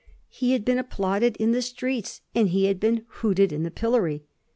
He had been applauded in the streets and he had been hooted in the pillory.